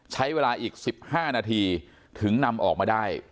ใช้เวลาอีก๑๕นาทีถึงนำออกมาได้